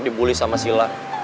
dibully sama sila